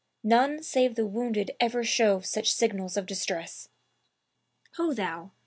None save the wounded ever show such signals of distress! Ho thou!